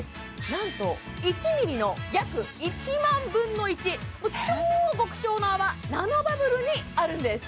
なんと１ｍｍの約１万分の１超極小の泡ナノバブルにあるんです